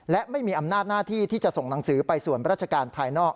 และไม่มีอำนาจหน้าที่ที่จะส่งหนังสือไปส่วนราชการภายนอก